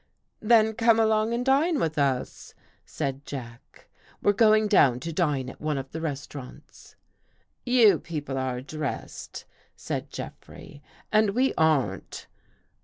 " Then come along and dine with us," said Jack. " We're going down to dine at one of the restau rants." "You people are dressed," said Jeffrey, "and we aren't."